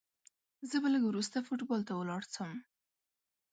زه به لږ وروسته فوټبال ته ولاړ سم.